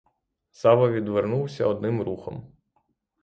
Сава відвернувся одним рухом.